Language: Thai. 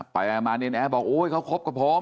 ไปมาเนรนแอร์บอกโอ๊ยเขาคบกับผม